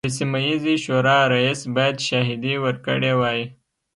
د سیمه ییزې شورا رییس باید شاهدې ورکړي وای.